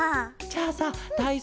じゃあさだい